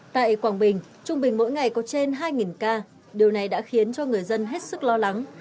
tại quảng bình trung bình mỗi ngày có trên hai ca điều này đã khiến cho người dân hết sức lo lắng